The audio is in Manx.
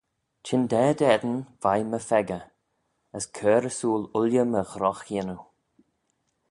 Chyndaa dt'eddin veih my pheccah: as cur ersooyl ooilley my ghrogh-yannoo.